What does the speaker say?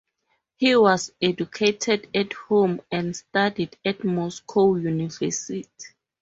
He was educated at home, and studied at Moscow University.